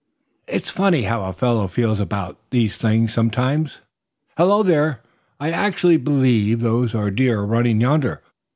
"It's funny how a fellow feels about these things some times. Hello, there, I actually believe those are deer running yonder.